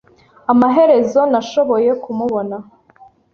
Amaherezo, nashoboye kumubona.